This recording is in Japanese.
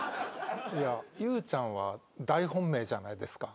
ゆうちゃんは大本命じゃないですか。